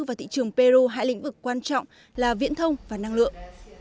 vào thị trường peru hai lĩnh vực quan trọng là viễn thông và năng lượng